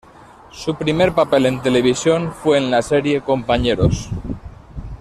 Su primer papel en televisión fue en la serie "Compañeros".